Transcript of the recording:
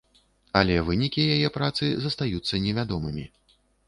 Але вынікі яе працы застаюцца невядомымі.